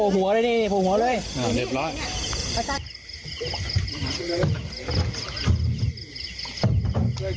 หูหูหัวเลยนี่หูหัวเลย